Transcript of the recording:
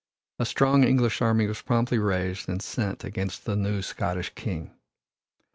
A strong English army was promptly raised and sent against the new Scottish King.